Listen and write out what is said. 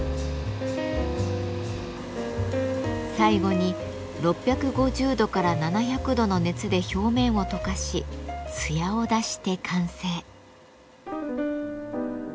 最後に６５０度から７００度の熱で表面を溶かし艶を出して完成。